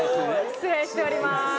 失礼しております。